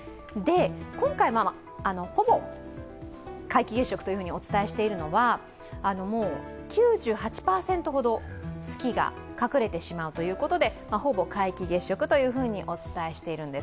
今回、ほぼ皆既月食とお伝えしているのは、９８％ほど月が隠れてしまうということで、ほぼ皆既月食とお伝えしているんです。